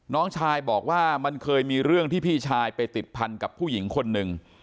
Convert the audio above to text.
น้องชายบอกว่ามันเคยมีเรื่องที่พี่ชายไปติดพันกับผู้หญิงคนหนึ่ง